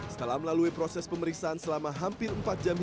setelah melalui proses pemeriksaan selama hampir empat jam